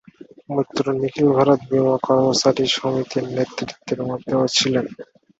মৈত্র নিখিল ভারত বীমা কর্মচারী সমিতির নেতৃত্বের মধ্যেও ছিলেন।